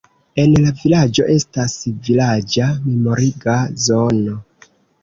En la vilaĝo estas vilaĝa memoriga zono.